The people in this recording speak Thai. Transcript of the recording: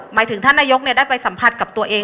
หมายถึงท่านนายกได้ไปสัมผัสกับตัวเอง